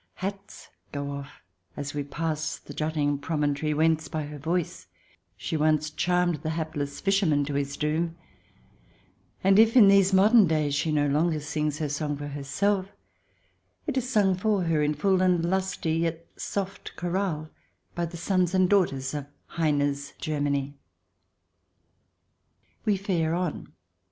Hats go off as we pass the jutting promontory whence, by her voice, she once charmed the hapless fisherman to his doom, and if, in these modern days, she no longer sings her song for herself, it is sung for her, in full and lusty, yet soft chorale, by the sons and daughters of Heine's Germany. We fare on.